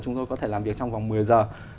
chúng tôi có thể làm việc trong vòng một mươi giờ